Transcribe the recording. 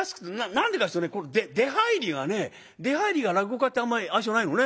何でかっていうと出はいりがね出はいりが落語家ってあんまり愛想ないのね。